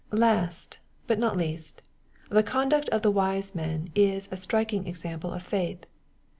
Last, but not least, the conduct of the wise men is a striking example of faith.